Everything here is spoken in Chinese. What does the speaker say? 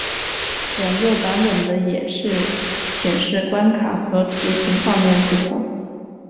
两个版本的演示显示关卡和图形画面不同。